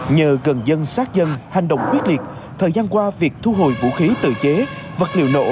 nhờ gần dân sát dân hành động quyết liệt thời gian qua việc thu hồi vũ khí tự chế vật liệu nổ